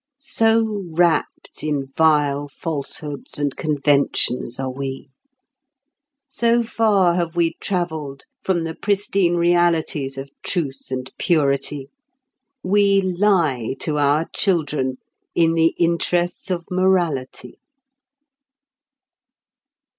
So wrapt in vile falsehoods and conventions are we. So far have we travelled from the pristine realities of truth and purity. We lie to our children—in the interests of morality.